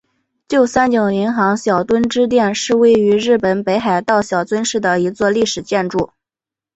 旧三井银行小樽支店是位于日本北海道小樽市的一座历史建筑。